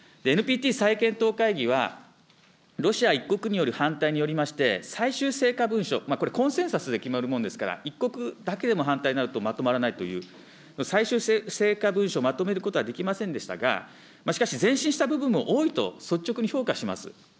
ＮＰＴ再検討会議は、ロシア１国による反対によりまして、最終成果文書、これ、コンセンサスで決まるものですから、１国だけでも反対になるとまとまらないという、最終成果文書をまとめることはできませんでしたが、しかし前進した部分も多いと率直に評価します。